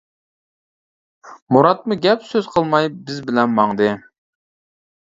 مۇراتمۇ گەپ سۆز قىلماي بىز بىلەن ماڭدى.